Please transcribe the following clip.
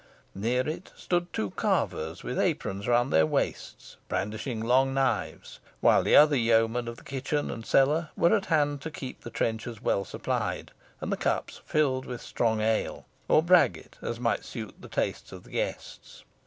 Near it stood two carvers, with aprons round their waists, brandishing long knives, while other yeomen of the kitchen and cellar were at hand to keep the trenchers well supplied, and the cups filled with strong ale, or bragget, as might suit the taste of the guests.